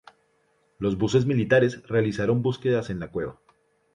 Los buzos militares realizaron búsquedas en la cueva.